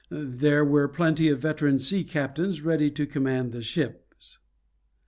There were plenty of veteran sea captains ready to command the ships.